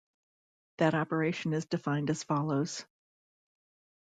That operation is defined as follows.